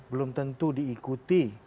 belum tentu diikuti